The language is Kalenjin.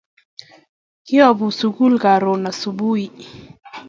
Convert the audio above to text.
Kayabu sukul karon subui